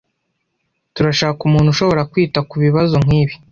Turashaka umuntu ushobora kwita kubibazo nkibi.